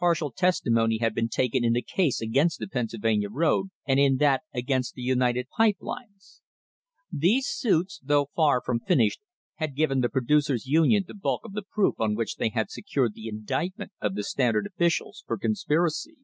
Partial testimony had been taken in the case against the Pennsylvania road and in that against the United Pipe Lines. These suits, though far from finished, had given the Producers' Union the bulk of the proof on which they had secured the indictment of the Stand ard officials for conspiracy.